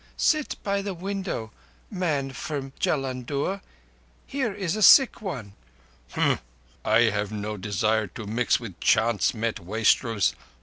Sit by the window, man from Jullundur. Here is a sick one." "Humph! I have no desire to mix with chance met wastrels.